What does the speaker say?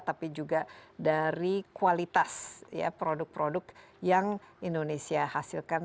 tapi juga dari kualitas ya produk produk yang indonesia hasilkan